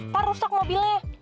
pak rusak mobilnya